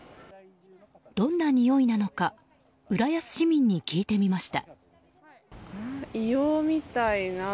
どんなにおいなのか浦安市民に聞いてみました。